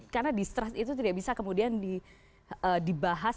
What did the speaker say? karena distrust itu tidak bisa kemudian dibahas